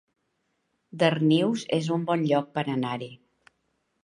Darnius es un bon lloc per anar-hi